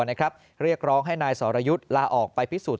เรียกร้องให้นายสรยุทธ์ลาออกไปพิสูจน